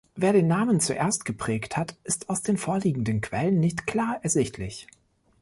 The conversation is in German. Wer den Namen zuerst geprägt hat, ist aus den vorliegenden Quellen nicht klar ersichtlich.